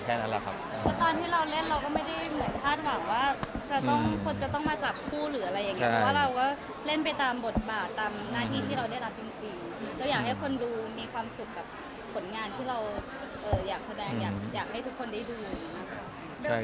แสวได้ไงของเราก็เชียนนักอยู่ค่ะเป็นผู้ร่วมงานที่ดีมาก